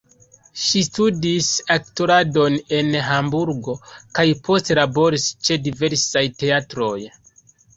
Ŝi studis aktoradon en Hamburgo kaj poste laboris ĉe diversaj teatroj.